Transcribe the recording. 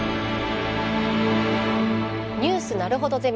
「ニュースなるほどゼミ」。